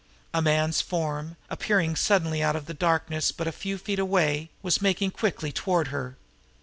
A man's form, appearing suddenly out of the darkness but a few feet away, was making quickly toward her.